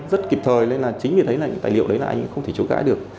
rất kịp thời nên là chính vì thế là tài liệu đấy là anh không thể chối cãi được